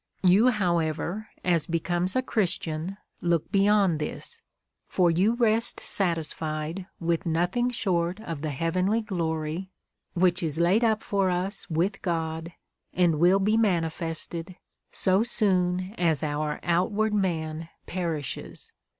You, however, as becomes a Christian, look beyond this. For you rest satisfied with nothing short of the hea venly glory, which is laid up for us with God, and will be manifested, so soon as " our outward man perishes."